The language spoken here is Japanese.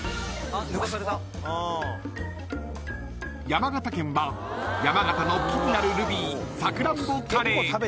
［山形県は山形の樹になるルビーさくらんぼカレー］